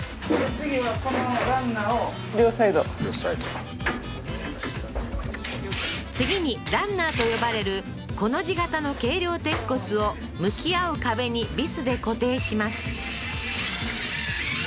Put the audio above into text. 両サイド次にランナーと呼ばれるコの字型の軽量鉄骨を向き合う壁にビスで固定します